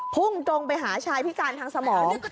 พุ่งตรงไปหาชายพิการทางสมอง